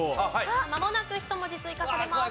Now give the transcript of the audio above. まもなく１文字追加されます。